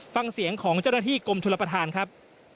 ฟังเสียงของเจ้าหน้าที่กรมชลประธานครับ